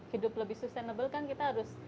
hidup lebih sustainable kan kita harus